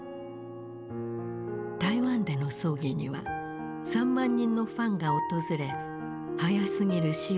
台湾での葬儀には３万人のファンが訪れ早すぎる死を悼んだ。